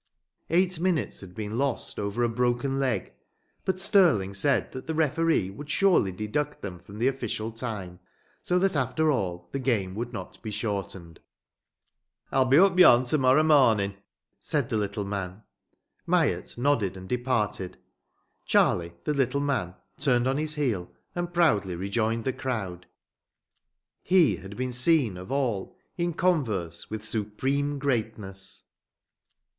Eight minutes had been lost over a broken leg, but Stirling said that the referee would surely deduct them from the official time, so that after all the game would not be shortened. "I'll be up yon, to morra morning," said the little man. Myatt nodded and departed. Charlie, the little man, turned on his heel and proudly rejoined the crowd. He had been seen of all in converse with supreme greatness.